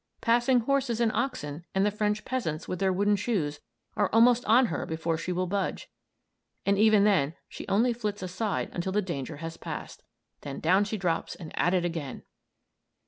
Passing horses and oxen, and the French peasants with their wooden shoes, are almost on her before she will budge. And even then she only flits aside until the danger has passed. Then down she drops and at it again!